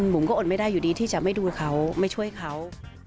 ผมก็อดไม่ได้อยู่ดีที่จะไม่ดูเขาไม่ช่วยเขา